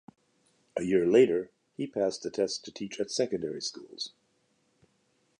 A year later he passed the test to teach at secondary schools.